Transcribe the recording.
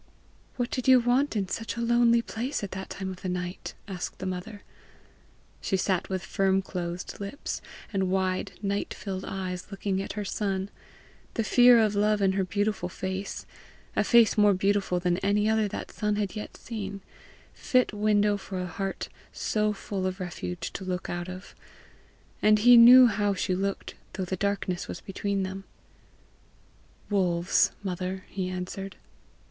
"What did you want in such a lonely place at that time of the night?" asked the mother. She sat with firm closed lips, and wide, night filled eyes looking at her son, the fear of love in her beautiful face a face more beautiful than any other that son had yet seen, fit window for a heart so full of refuge to look out of; and he knew how she looked though the darkness was between them. "Wolves, mother," he answered.